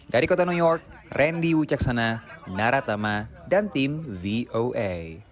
dari kota new york randy wujaksana naratama dan tim voa